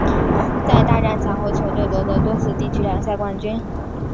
在大战前后球队夺得多次地区联赛冠军。